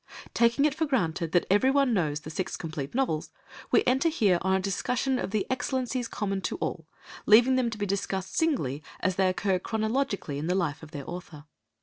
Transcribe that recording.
Taking it for granted that everyone knows the six complete novels, we enter here on a discussion of the excellencies common to all, leaving them to be discussed singly as they occur chronologically in the life of their author.